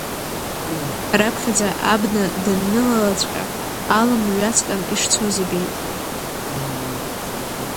Раԥхьаӡа абна даннылалаҵәҟьа алым ҩаҵҟьан ишцоз ибеит.